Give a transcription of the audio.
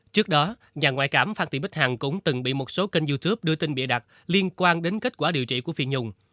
trước đó nhà ngoại cảm phan thị bích hằng cũng từng bị một số kênh youtube đưa tin bịa đặt liên quan đến kết quả điều trị của phi nhung